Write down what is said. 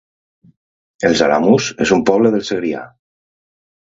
Els Alamús es un poble del Segrià